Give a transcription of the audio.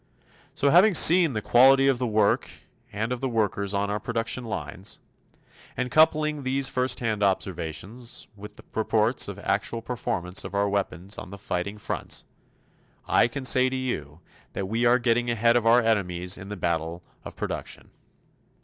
So having seen the quality of the work and of the workers on our production lines and coupling these firsthand observations with the reports of actual performance of our weapons on the fighting fronts I can say to you that we are getting ahead of our enemies in the battle of production.